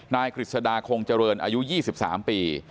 กฤษฎาคงเจริญอายุ๒๓ปี